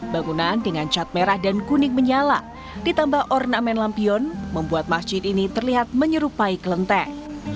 bangunan dengan cat merah dan kuning menyala ditambah ornamen lampion membuat masjid ini terlihat menyerupai kelenteng